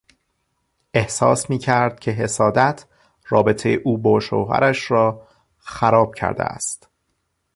احساس میکرد که حسادت رابطهی او با شوهرش را خراب کرده است.